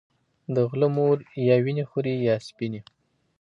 د غله مور يا وينې خورې يا سپينې